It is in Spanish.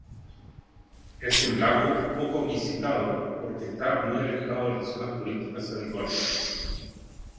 Es un lago poco visitado porque está muy alejado de las zonas turísticas habituales.